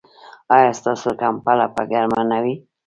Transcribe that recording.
ایا ستاسو کمپله به ګرمه نه وي؟